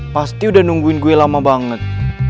pasti udah nungguin gue lama banget